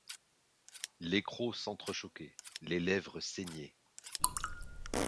Les crocs s’entrechoquaient, les lèvres saignaient.